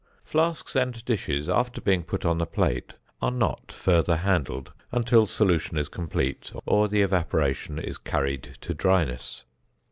Flasks and dishes after being put on the plate are not further handled until solution is complete or the evaporation is carried to dryness.